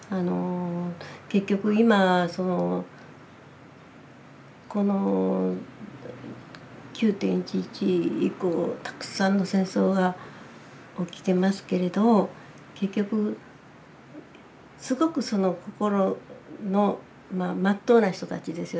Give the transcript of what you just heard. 結局今この９．１１以降たくさんの戦争が起きてますけれど結局すごくその心のまっとうな人たちですよね。